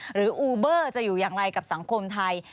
อูเบอร์จะอยู่อย่างไรกับสังคมไทย